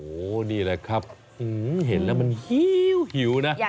โอ้โหนี่แหละครับเห็นแล้วมันหิวนะ